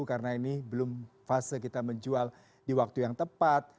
karena ini belum fase kita menjual di waktu yang tepat